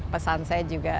pesan saya juga